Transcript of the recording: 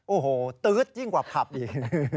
โอ้โหตื๊ดยิ่งกว่าผับอีก